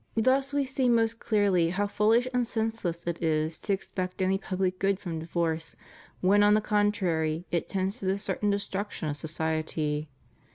Thus we see most clearly how foolish and senseless it is to expect any pubUc good from divorce, when, on the contrary, it tends to the certain destruction of society.